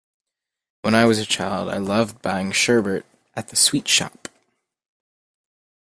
When I was a child, I loved buying sherbet at the sweet shop